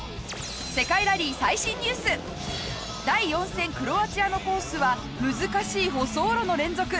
第４戦クロアチアのコースは難しい舗装路の連続。